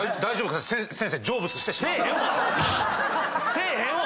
せえへんわ！